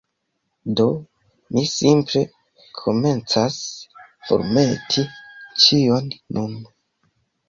Do, mi simple komencas formeti ĉion nun